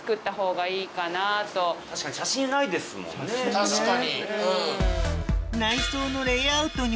確かに。